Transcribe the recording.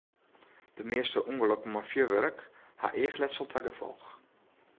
De measte ûngelokken mei fjurwurk ha eachletsel ta gefolch.